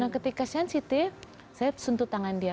nah ketika sensitive saya sentuh tangan dia